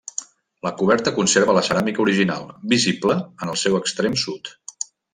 La coberta conserva la ceràmica original, visible en el seu extrem sud.